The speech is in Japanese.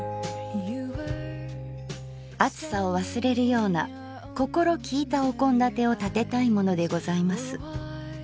「暑さを忘れるような心きいたお献立をたてたいものでございます。